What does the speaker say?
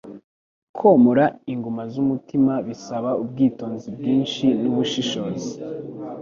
Komora inguma z'umutima bisaba ubwitonzi bwinshi n'ubushishozi.